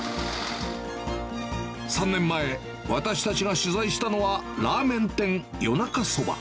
３年前、私たちが取材したのは、ラーメン店、よなかそば。